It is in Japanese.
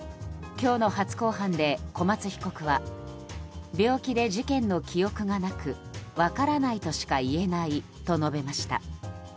今日の初公判で小松被告は病気で事件の記憶がなく分からないとしか言えないと述べました。